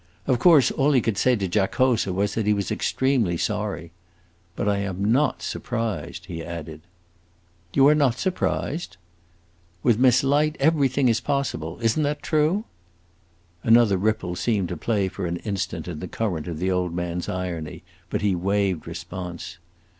Of course all he could say to Giacosa was that he was extremely sorry. "But I am not surprised," he added. "You are not surprised?" "With Miss Light everything is possible. Is n't that true?" Another ripple seemed to play for an instant in the current of the old man's irony, but he waived response.